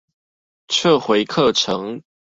撤回課程